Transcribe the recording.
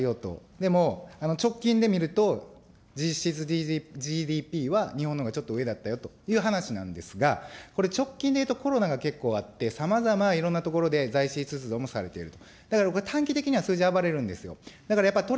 でも、直近で見ると、実質ＧＤＰは日本のほうがちょっと上だったよという話なんですが、これ、直近でいうとコロナが長くあって、さまざまなところで財政出動がされていると。